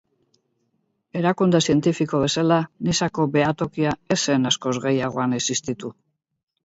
Erakunde zientifiko bezala, Nizako behatokia ez zen askoz gehiagoan existitu.